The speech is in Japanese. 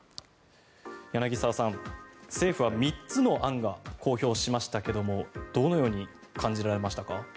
柳澤さん、政府は３つの案を公表しましたがどのように感じられましたか。